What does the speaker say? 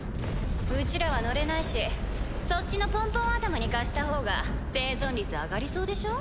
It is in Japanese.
うちらは乗れないしそっちのポンポン頭に貸した方が生存率上がりそうでしょ？